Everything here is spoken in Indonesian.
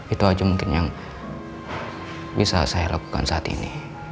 itu aja mungkin yang bisa saya lakukan saat ini